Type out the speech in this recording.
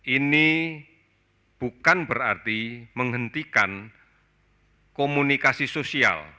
ini bukan berarti menghentikan komunikasi sosial